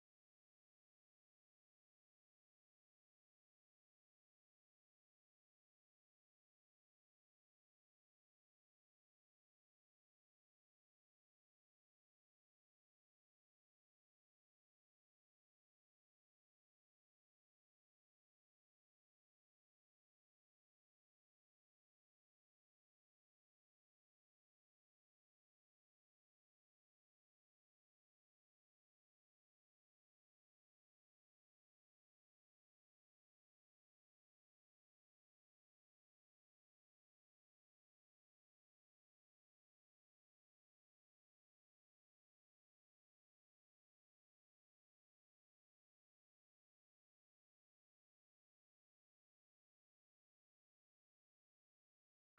aku gak mau musuhan terus sama mas erwin